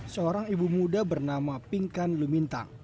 seorang ibu muda bernama pingkan lumintang